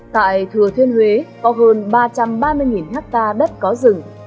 tại thừa thiên huế có hơn ba trăm ba mươi hectare đất có rừng